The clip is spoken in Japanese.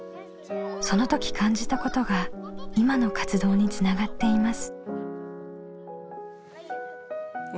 その時感じたことが今の活動につながっています。